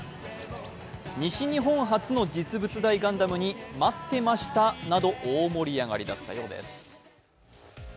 西日本初の実物大ガンダムに、待ってましたなど大盛り上がりだったそうです。